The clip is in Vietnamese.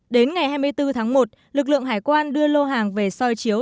đến ngày hai mươi bốn tháng một lực lượng hải quan đưa lô hàng về soi chiếu